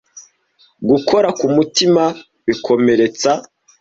gukora ku mutima bikomeretsa